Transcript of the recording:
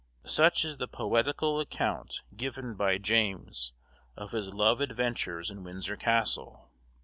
Such is the poetical account given by James of his love adventures in Windsor Castle.